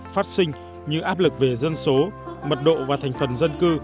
phát sinh như áp lực về dân số mật độ và thành phần dân cư